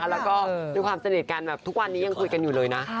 แล้วก็ด้วยความสนิทกันแบบทุกวันนี้ยังคุยกันอยู่เลยนะ